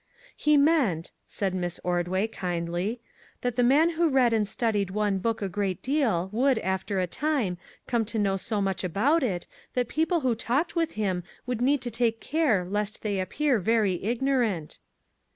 " He meant," said Miss Ordway , kindly, " that the man who read and studied one book a great deal would after a time, come to know so much about it that people who talked with him would need to take care lest they appear very ignorant."